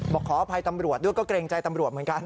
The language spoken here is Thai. ขออภัยตำรวจด้วยก็เกรงใจตำรวจเหมือนกัน